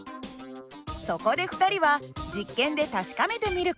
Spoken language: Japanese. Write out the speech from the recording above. そこで２人は実験で確かめてみる事に。